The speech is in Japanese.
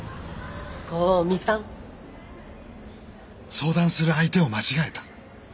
相談する相手を間違えた。